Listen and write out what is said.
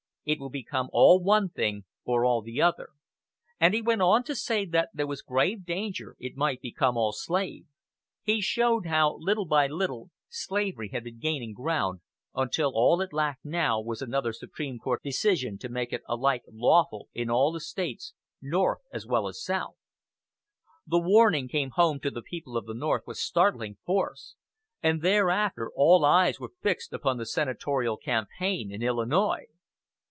It will become all one thing or all the other"; and he went on to say that there was grave danger it might become all slave. He showed how, little by little, slavery had been gaining ground, until all it lacked now was another Supreme Court decision to make it alike lawful in all the States, North as well as South. The warning came home to the people of the North with startling force, and thereafter all eyes were fixed upon the senatorial campaign in Illinois.